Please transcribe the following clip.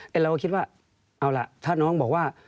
แต่เราก็คิดว่าเอาล่ะถ้าน้องบอกว่า